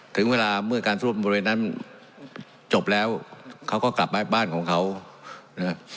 ถึงเวลาเมื่อการสรุปบริเวณนั้นจบแล้วเขาก็กลับมาบ้านของเขานะครับ